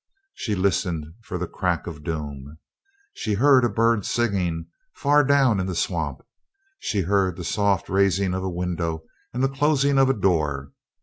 She listened for the crack of doom. She heard a bird singing far down in the swamp; she heard the soft raising of a window and the closing of a door.